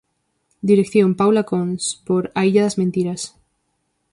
Dirección: Paula Cons, por "A illa das mentiras".